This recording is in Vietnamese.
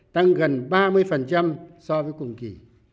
tăng gần ba mươi so với cùng kỷ